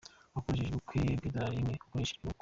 wakoresheje ubukwe bw’idolari rimwe. Uwakoresheje ubukwe